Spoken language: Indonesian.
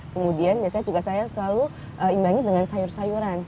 kemudian biasanya juga saya selalu imbangi dengan sayur sayuran